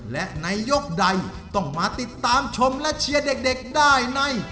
และในยกใดต้องมาติดตามชมและเชียร์เด็กได้ใน